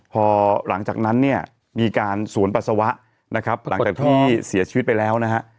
พอหลังจากนั้นเนี่ยมีการสวนปัสสาวะนะครับหลังจากที่เสียชีวิตไปแล้วนะฮะ